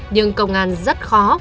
nhưng công an rất khó